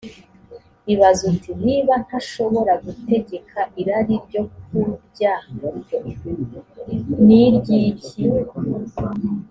ibaze uti’’ niba ntashobora gutegeka irari ryokurya niryiki ?”